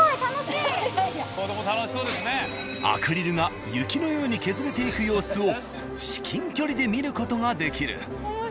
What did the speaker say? アクリルが雪のように削れていく様子を至近距離で見る事ができる。